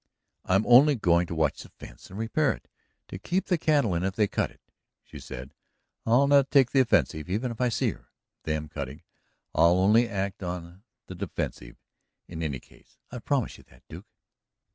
"I'm only going to watch the fence and repair it to keep the cattle in if they cut it," she said. "I'll not take the offensive, even if I see her them cutting it; I'll only act on the defensive, in any case. I promise you that, Duke."